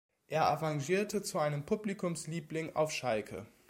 Er avancierte zu einem Publikumsliebling auf Schalke.